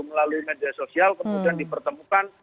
melalui media sosial kemudian dipertemukan